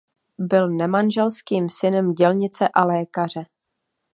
Byl nemanželským synem dělnice a lékaře.